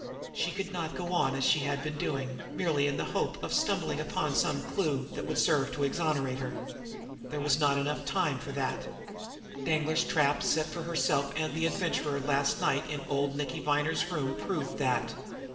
She could not go on as she had been doing, merely in the hope of stumbling upon some clew that would serve to exonerate her. There was not time enough for that. Danglar's trap set for herself and the Adventurer last night in old Nicky Viner's room proved that.